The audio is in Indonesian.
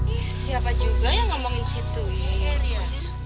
ih siapa juga yang ngomongin situ ya ya